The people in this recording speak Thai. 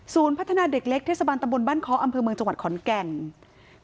พัฒนาเด็กเล็กเทศบาลตำบลบ้านเคาะอำเภอเมืองจังหวัดขอนแก่น